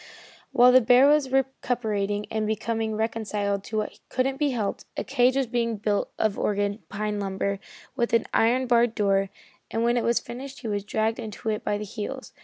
While the bear was recuperating and becoming reconciled to what couldn't be helped, a cage was being built of Oregon pine lumber with an iron barred door, and when it was finished he was dragged into it by the heels.